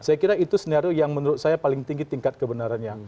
saya kira itu skenario yang menurut saya paling tinggi tingkat kebenarannya